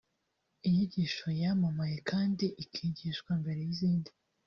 Inyigisho yamamaye kandi ikigishwa mbere y’izindi